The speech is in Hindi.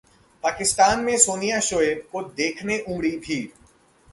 पाकिस्तान में सानिया-शोएब को देखने उमड़ी भीड़